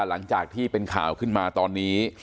หลังจากที่เป็นข่าวขึ้นมาตอนนี้